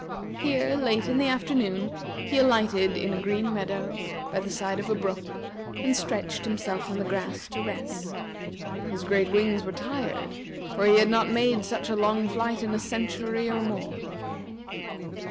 Here, late in the afternoon, he alighted in a green meadow by the side of a brook, and stretched himself on the grass to rest. His great wings were tired, for he had not made such a long flight in a century, or more.